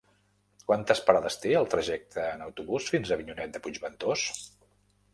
Quantes parades té el trajecte en autobús fins a Avinyonet de Puigventós?